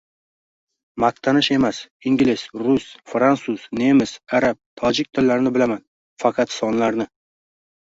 Maqtanish emas, ingliz, rus, fransuz, nemis, arab, tojik tillarini bilaman. Faqat sonlarni..